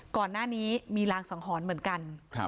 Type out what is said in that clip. ก่อนหน้านี้มีรางสังหรณ์เหมือนกัน